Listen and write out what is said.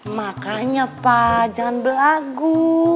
makanya pak jangan berlagu